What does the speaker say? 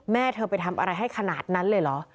แม่เธอไปทำอะไรให้ขนาดนั้นเลยเหรอ